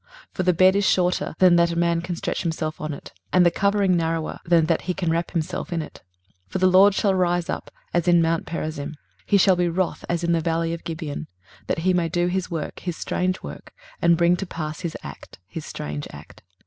23:028:020 For the bed is shorter than that a man can stretch himself on it: and the covering narrower than that he can wrap himself in it. 23:028:021 For the LORD shall rise up as in mount Perazim, he shall be wroth as in the valley of Gibeon, that he may do his work, his strange work; and bring to pass his act, his strange act.